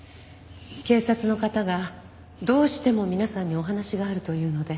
警察の方がどうしても皆さんにお話があるというので。